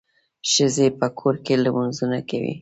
ښځي په کور کي لمونځونه کوي.